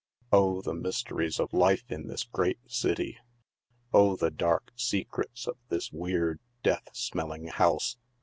Oh, the mysteries of life in this great city. Oh, the dark secrets of this weird, death smelling house